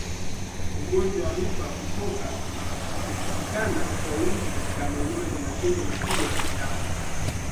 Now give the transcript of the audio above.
Ugonjwa wa mimba kutoka hupatikana kwa wingi katika maeneo yenye makundi makubwa ya wanyama